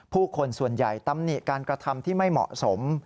คนส่วนใหญ่ตำหนิการกระทำที่ไม่เหมาะสม